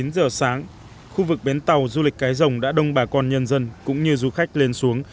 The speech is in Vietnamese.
chín giờ sáng khu vực bến tàu du lịch cái rồng đã đông bà con nhân dân cũng như du khách lên xuống